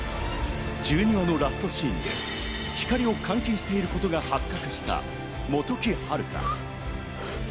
１２話のラストシーンで光を監禁していることが発覚した本木陽香。